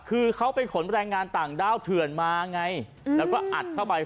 คือเขาไปขนแรงงานต่างด้าวเถื่อนมาไงแล้วก็อัดเข้าไป